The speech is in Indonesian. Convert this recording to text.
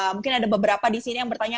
mungkin ada beberapa di sini yang bertanya